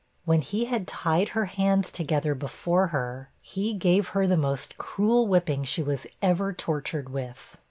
When he had tied her hands together before her, he gave her the most cruel whipping she was ever tortured with.